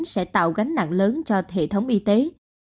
sẽ tạo gánh nặng lớn cho hệ thống y tế